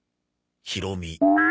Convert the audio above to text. ひろみ。